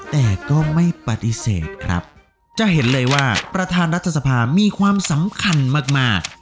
แต่ก็ไม่ปฏิเสธครับจะเห็นเลยว่าประธานรัฐสภามีความสำคัญมาก